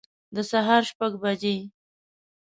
د سهار شپږ بجي